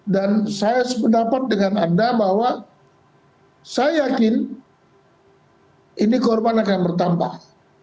dan saya sependapat dengan anda bahwa saya yakin ini korban akan bertambah